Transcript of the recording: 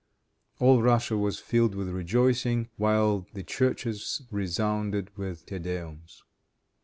All Russia was filled with rejoicing, while the churches resounded with "Te Deums."